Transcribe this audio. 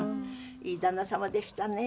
いい旦那様でしたね。